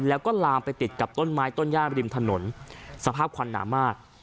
แล้วก็ลามไปติดกับต้นไม้ต้นย่ามริมถนนสภาพควันหนามาก